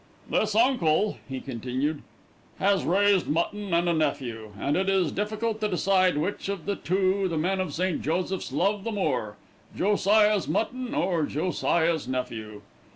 "This uncle," he continued, "has raised mutton and a nephew, and it is difficult to decide which of the two the men of St. Joseph's love the more: Josiah's mutton, or Josiah's nephew.